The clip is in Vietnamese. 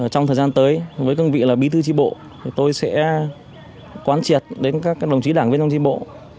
trong thời gian tới với công vị là bí tư chí bộ tôi sẽ quán triệt đến các đồng chí đảng viên trong chí bộ